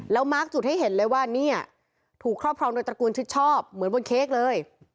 แล้วมาร์คจุดให้เห็นเลยว่าเนี่ยถูกครอบครองโดยตระกูลชิดชอบเหมือนบนเค้กเลย